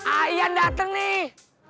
ayan dateng nih